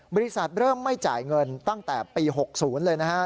บริษัทเริ่มไม่จ่ายเงินตั้งแต่ปี๖๐เลยนะฮะ